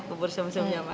bubur sum sumnya mah